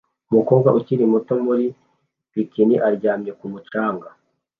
Umukobwa ukiri muto muri bikini aryamye ku mucanga